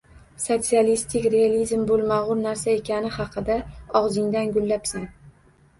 Sotsialistik realizm bo‘lmag‘ur narsa ekani haqida og‘zingdan gullabsan.